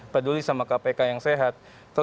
peduli sama kpk yang sehat